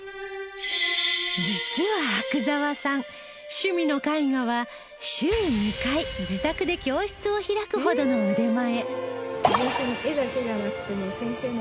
趣味の絵画は週２回自宅で教室を開くほどの腕前